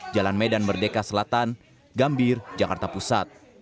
jalan medan merdeka selatan gambir jakarta pusat